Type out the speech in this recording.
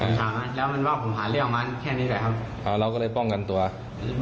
ผมถามเลยแต่ว่าผมขอโทษมันไปเจ็ดครั้งก่อนครับ